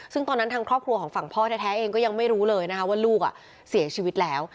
ซึ่งตอนนั้นทางครอบครัวของฝั่งพ่อแท้เองก็ยังไม่รู้เลยนะคะว่าลูกเสียชีวิตแล้ว